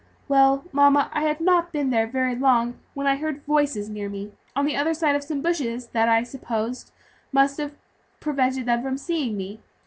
Well, mamma, I had not been there very long when I heard voices near me, on the other side of some bushes, that, I suppose, must have prevented them from seeing me.